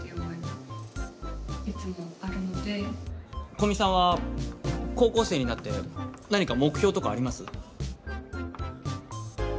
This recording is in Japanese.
古見さんは高校生になって何か目標とかあります？